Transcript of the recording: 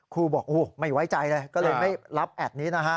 ครูบอกไม่ไว้ใจเลยก็เลยไม่รับแอดนี้นะฮะ